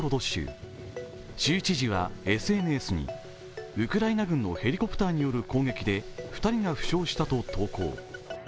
州知事はＳＮＳに、ウクライナ軍のヘリコプターによる攻撃で２人が負傷したと投稿。